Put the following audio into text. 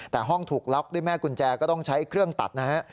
แต่ห้องถูกล็อกด้วยแม่กุญแจก็ต้องใช้เครื่องตัดนะฮะ